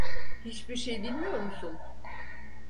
Hiçbir şey bilmiyor musun?